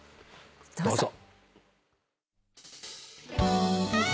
どうぞ。